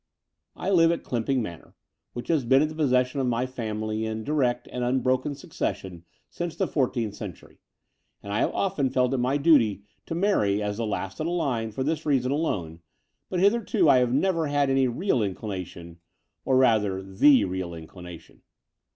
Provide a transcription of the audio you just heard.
I live at Clymping Manor, which has been in the possession of my family in direct and unbroken succession since the fourteenth century : and I have often felt it my duty to marry as the last of the line for this reason alone, but hitherto I have never had any real inclination — or rather the real inclination.